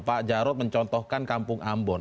pak jarod mencontohkan kampung ambon